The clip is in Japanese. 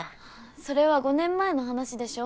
それは５年前の話でしょ。